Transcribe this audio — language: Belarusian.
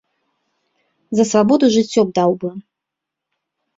За свабоду жыццё б даў бы!